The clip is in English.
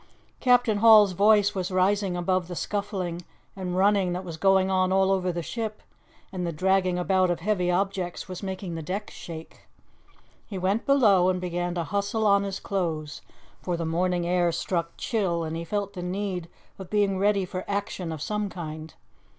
Captain Hall's voice was rising above the scuffling and running that was going on all over the ship, and the dragging about of heavy objects was making the decks shake. He went below and begun to hustle on his clothes, for the morning air struck chill and he felt the need of being ready for action of some kind.